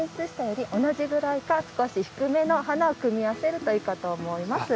’より同じぐらいか少し低めの花を組み合わせるといいかと思います。